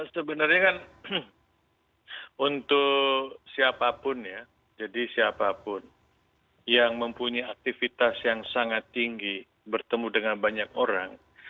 sebenarnya kan untuk siapapun ya jadi siapapun yang mempunyai aktivitas yang sangat tinggi bertemu dengan banyak orang